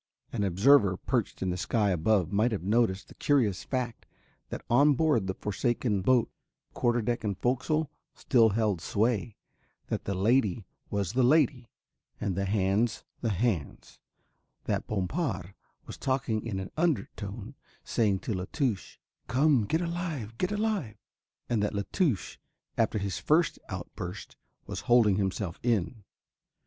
An observer perched in the sky above might have noticed the curious fact that on board the forsaken boat quarter deck and fo'c'sle still held sway, that the lady was the lady and the hands the hands, that Bompard was talking in an undertone, saying to La Touche: "Come, get alive, get alive," and that La Touche, after his first outburst, was holding himself in.